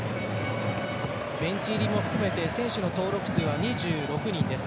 ベンチ入りも含めて選手の登録数は２６人です。